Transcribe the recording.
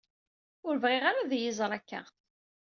Ur bɣiɣ ara ad iyi-iẓer akka.